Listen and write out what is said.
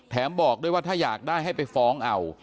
บอกด้วยว่าถ้าอยากได้ให้ไปฟ้องเอา